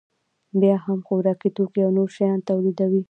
بیا هم خوراکي توکي او نور شیان تولیدوي